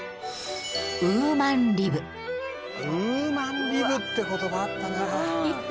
ウーマン・リブって言葉あったな。